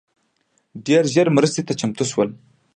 ډېر ژر مرستي ته چمتو سول